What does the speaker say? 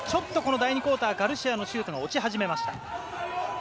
第２クオーター、ガルシアのシュートが落ち始めました。